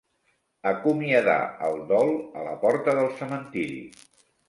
Acomiadar el dol a la porta del cementiri.